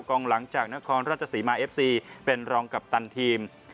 หลังจากนครราชสีมาเอฟซีเป็นรองกัปตันทีม